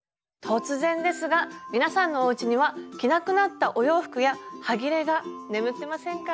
突然ですが皆さんのおうちには着なくなったお洋服やはぎれが眠ってませんか？